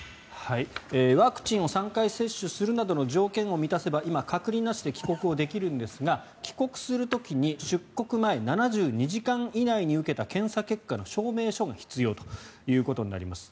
ワクチンを３回接種するなどの条件を満たせば今、隔離なしで帰国ができるんですが帰国する時に出国前７２時間以内に受けた検査結果の証明書が必要になります。